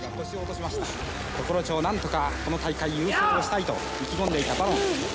常呂町、なんとかこの大会、優勝したいと意気込んでいたバロン。